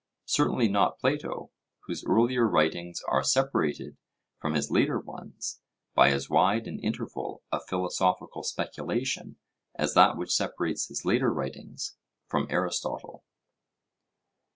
Certainly not Plato, whose earlier writings are separated from his later ones by as wide an interval of philosophical speculation as that which separates his later writings from Aristotle.